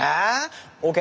ＯＫ。